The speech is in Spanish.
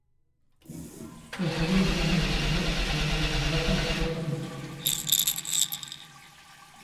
El código fuente de su web puede descargarse de Sourceforge.